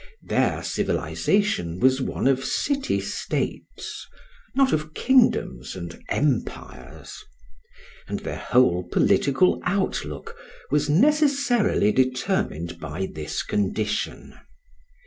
Their civilisation was one of "city states", not of kingdoms and empires; and their whole political outlook was necessarily determined by this condition.